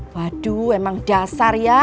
waduh emang dasar ya